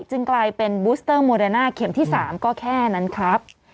จึงกลายเป็นบูสเตอร์โมเดน่าเข็มที่๓ก็แค่นั้นครับ